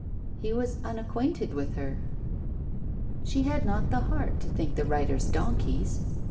He was unacquainted with her! She had not the heart to think the writers donkeys.